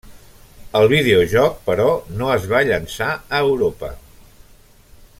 El videojoc, però, no es va llançar a Europa.